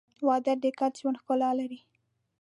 • واده د ګډ ژوند ښکلا لري.